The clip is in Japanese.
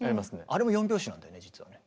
あれも４拍子なんだよね実はね。